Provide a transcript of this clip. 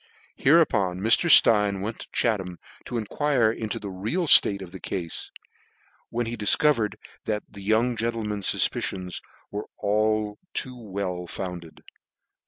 Hereupon Mr. Stein went to Chatham, to enquire into the real Dilate of the cafe ; when he difcovered that "the young gentleman's fufpicions were but too well founded.